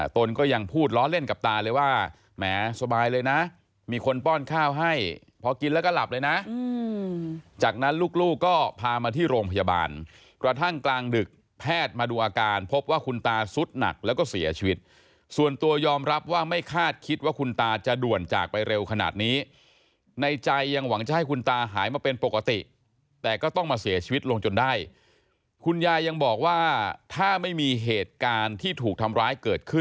ตนก็ยังพูดล้อเล่นกับตาเลยว่าแหมสบายเลยนะมีคนป้อนข้าวให้พอกินแล้วก็หลับเลยนะจากนั้นลูกก็พามาที่โรงพยาบาลกระทั่งกลางดึกแพทย์มาดูอาการพบว่าคุณตาซุดหนักแล้วก็เสียชีวิตส่วนตัวยอมรับว่าไม่คาดคิดว่าคุณตาจะด่วนจากไปเร็วขนาดนี้ในใจยังหวังจะให้คุณตาหายมาเป็นปกติแต่ก็ต้องมาเสีย